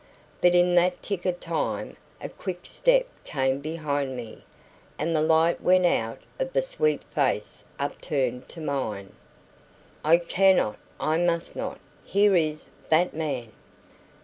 But in that tick of time a quick step came behind me, and the light went out of the sweet face upturned to mine. "I cannot! I must not! Here is that man!"